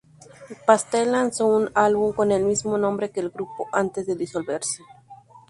Pastel lanzó un álbum con el mismo nombre que el grupo, antes de disolverse.